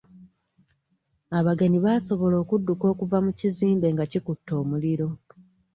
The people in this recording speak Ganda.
Abagenyi baasobola okudduka okuva mu kizimbe nga kikutte omuliro.